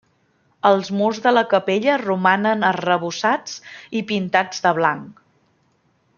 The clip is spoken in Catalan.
Els murs de la capella romanen arrebossats i pintats de blanc.